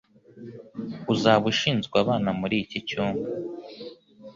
Uzaba ushinzwe abana muri iki cyumba.